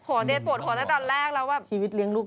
โอ้โฮเดศปวดหัวตั้งแต่ตอนแรกชีวิตเลี้ยงลูก